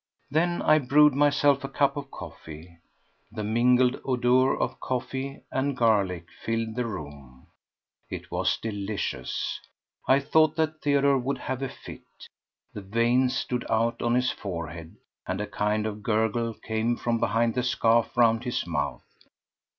Then I brewed myself a cup of coffee. The mingled odour of coffee and garlic filled the room. It was delicious. I thought that Theodore would have a fit. The veins stood out on his forehead and a kind of gurgle came from behind the scarf round his mouth.